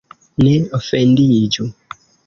Ne ofendiĝu!